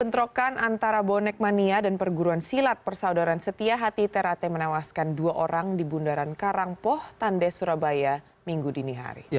bentrokan antara bonek mania dan perguruan silat persaudaraan setia hati terate menewaskan dua orang di bundaran karangpoh tande surabaya minggu dini hari